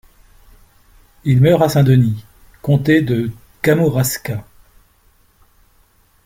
Il meurt à Saint-Denis, comté de Kamouraska.